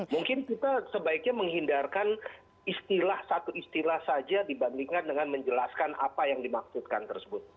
mungkin kita sebaiknya menghindarkan istilah satu istilah saja dibandingkan dengan menjelaskan apa yang dimaksudkan tersebut